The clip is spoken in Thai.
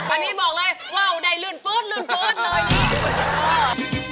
อันนี้บอกเลยว้าวได้ลื่นปุ๊ดเลยนี่